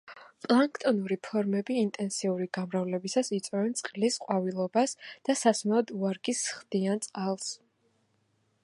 პლანქტონური ფორმები ინტენსიური გამრავლებისას იწვევენ „წყლის ყვავილობას“ და სასმელად უვარგისს ხდიან წყალს.